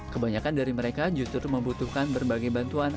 kebanyakan dari mereka justru membutuhkan berbagai bantuan